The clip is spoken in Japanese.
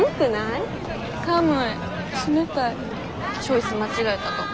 チョイス間違えたかも。